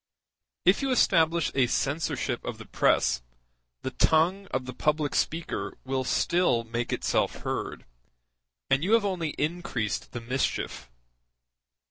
If you establish a censorship of the press, the tongue of the public speaker will still make itself heard, and you have only increased the mischief.